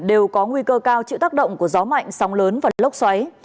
đều có nguy cơ cao chịu tác động của gió mạnh sóng lớn và lốc xoáy